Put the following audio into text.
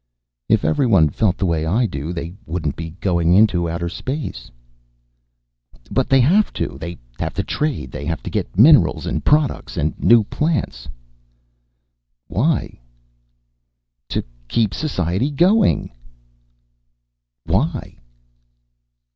"If everyone felt the way I do they wouldn't be going into outer space." "But they have to. They have to trade, they have to get minerals and products and new plants." "Why?" "To keep society going." "Why?"